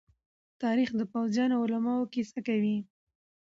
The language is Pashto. تاریخ د پوځيانو او علماءو کيسه کوي.